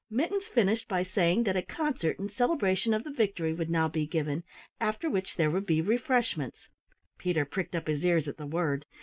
Mittens finished by saying that a concert in celebration of the victory would now be given, after which there would be refreshments Peter pricked up his ears at the word!